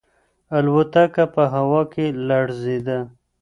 الوتکه په هوا کې لړزیده.